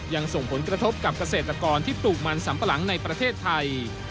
ยังส่งผลกระทบกับเกษตรกรที่ปลูกมันสัมปะหลังในประเทศไทย